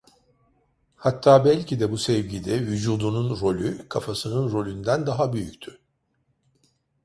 Hatta belki de bu sevgide vücudunun rolü kafasının rolünden daha büyüktü.